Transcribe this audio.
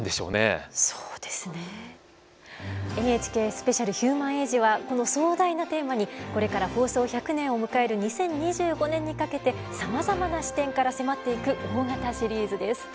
ＮＨＫスペシャル「ヒューマン・エイジ」はこの壮大なテーマにこれから放送１００年を迎える２０２５年にかけてさまざまな視点から迫っていく大型シリーズです。